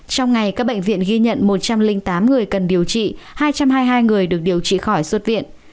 trong ngày các bệnh viện ghi nhận một trăm linh tám người cần điều trị hai trăm hai mươi hai người được điều trị khỏi xuất viện